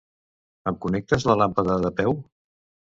Em connectes la làmpada de peu?